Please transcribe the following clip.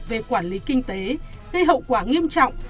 về quản lý kinh tế gây hậu quả nghiêm trọng